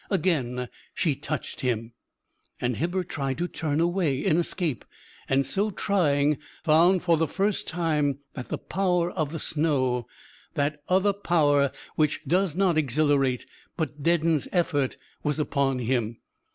Again she touched him. And Hibbert tried to turn away in escape, and so trying, found for the first time that the power of the snow that other power which does not exhilarate but deadens effort was upon him.